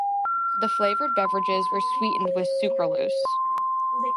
The flavored beverages are sweetened with sucralose.